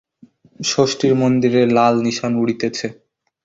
ষষ্ঠীর মন্দিরে লাল নিশান উড়িতেছে।